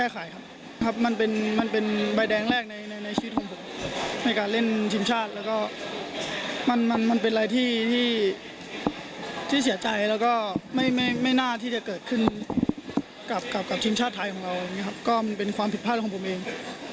ก็มันเป็นความผิดพลาดของผมเอง